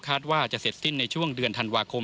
ว่าจะเสร็จสิ้นในช่วงเดือนธันวาคม